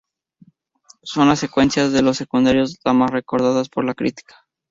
Son las secuencias con los secundarios las más recordadas por la crítica.